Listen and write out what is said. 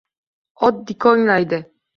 Ot dikonglaydi